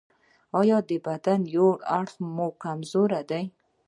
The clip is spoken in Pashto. ایا د بدن یو اړخ مو کمزوری دی؟